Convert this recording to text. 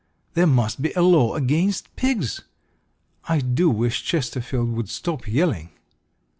There must be a law against pigs! I do wish Chesterfield would stop yelling!"